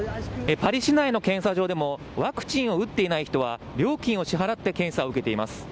パリ市内の検査場でも、ワクチンを打っていない人は、料金を支払って検査を受けています。